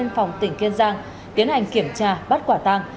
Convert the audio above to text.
phòng tỉnh kiên giang tiến hành kiểm tra bắt quả tăng